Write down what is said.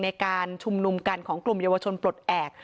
ในการชุมนุมกันของกลุ่มเยาวชนปลดแอบ